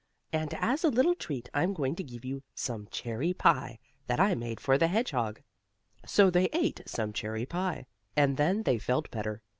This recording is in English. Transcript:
"And as a little treat I'm going to give you some cherry pie that I made for the hedgehog." So they ate some cherry pie, and then they felt better.